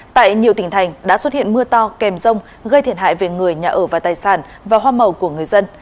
tại nhiều tỉnh thành đã xuất hiện mưa to kèm rông gây thiệt hại về người nhà ở và tài sản và hoa màu của người dân